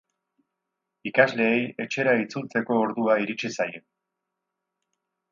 Ikasleei etxera itzultzeko ordua iritsi zaie.